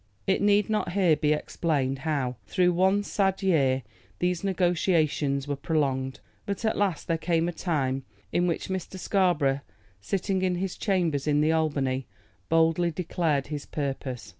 It need not here be explained how, through one sad year, these negotiations were prolonged; but at last there came a time in which Mr. Scarborough, sitting in his chambers in the Albany, boldly declared his purpose.